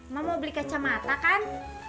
mama mau beli kacamata kan